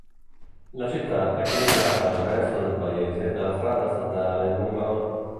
La città è collegata al resto del Paese dalla strada statale nr.